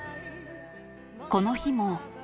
この日も。